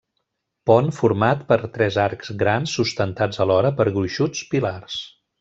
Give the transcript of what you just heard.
Pont format per tres arcs grans sustentats alhora per gruixuts pilars.